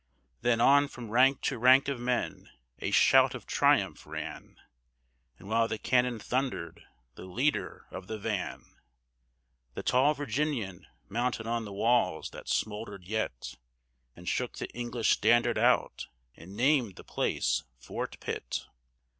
Then, on from rank to rank of men, a shout of triumph ran, And while the cannon thundered, the leader of the van, The tall Virginian, mounted on the walls that smouldered yet, And shook the English standard out, and named the place Fort Pitt.